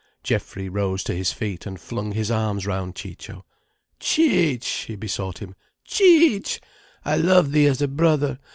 Geoffrey rose to his feet and flung his arms round Ciccio. "Cic'," he besought him. "Cic'—I love thee as a brother.